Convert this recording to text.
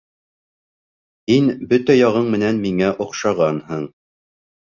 Һин бөтә яғың менән миңә оҡшағанһың...